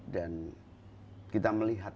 dan kita melihat